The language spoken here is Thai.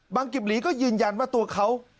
กิบหลีก็ยืนยันว่าตัวเขา